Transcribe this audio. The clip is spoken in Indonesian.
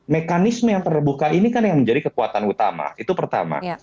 mekanisme yang terbuka ini kan yang menjadi kekuatan utama itu pertama